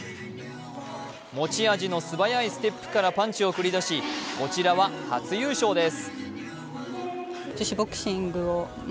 持ち味の素早いステップからパンチを繰り出し、こちらは初優勝です。